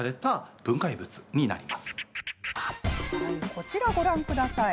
こちらをご覧ください。